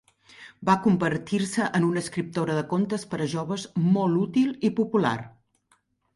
Va convertir-se en una escriptora de contes per a joves molt útil i popular.